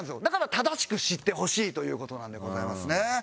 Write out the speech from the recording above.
だから正しく知ってほしいという事なんでございますね。